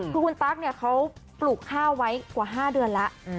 คือคุณตั๊กเนี่ยเขาปลูกข้าวไว้กว่า๕เดือนแล้ว